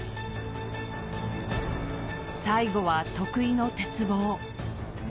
最後は得意の鉄棒。